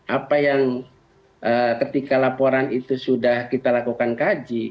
apa yang ketika laporan itu sudah kita lakukan kaji